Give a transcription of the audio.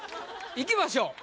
いきましょう。